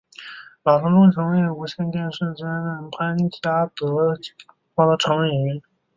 马德钟曾为无线电视监制潘嘉德及林志华的常用演员。